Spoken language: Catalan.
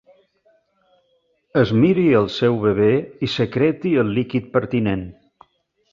Es miri el seu bebè i secreti el líquid pertinent.